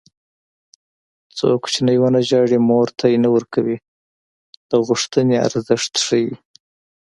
څو کوچنی ونه ژاړي مور تی نه ورکوي د غوښتنې ارزښت ښيي